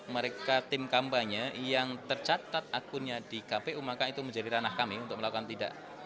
mereka tim kampanye yang tercatat akunnya di kpu maka itu menjadi ranah kami untuk melakukan tidak